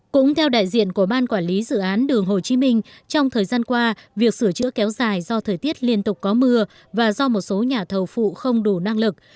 cũng theo đại diện của ban quản lý dự án đường hồ chí minh trong thời gian qua việc sửa chữa kéo dài do thời tiết liên tục có mưa và do một số nhà thầu phụ không đủ năng lực